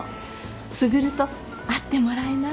卓と会ってもらえない？